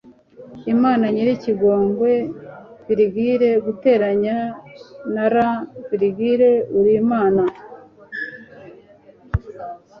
imana nyen'ikigongwe, +r, uri imana